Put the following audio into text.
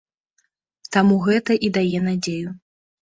Таму гэта і дае надзею.